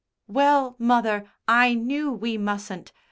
"Well, mother, I knew we mustn't.